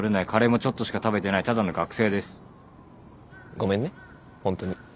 ごめんねホントに。